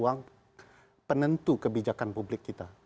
ke ruang ruang penentu kebijakan publik kita